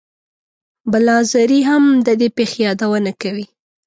بلاذري هم د دې پېښې یادونه کوي.